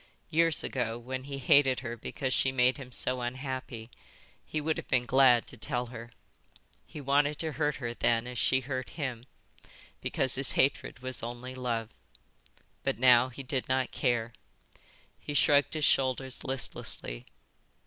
Years ago, when he hated her because she made him so unhappy, he would have been glad to tell her. He wanted to hurt her then as she hurt him, because his hatred was only love. But now he did not care. He shrugged his shoulders listlessly.